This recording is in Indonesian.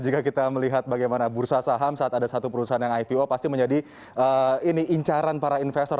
jika kita melihat bagaimana bursa saham saat ada satu perusahaan yang ipo pasti menjadi incaran para investor